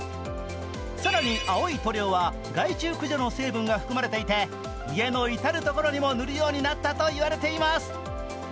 更に青い塗料は害虫駆除の成分が含まれていて、家の至る所にも塗るようになったと言われています。